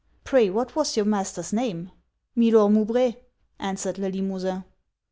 Pray what was your master's name?' 'Milor Moubray,' answered Le Limosin.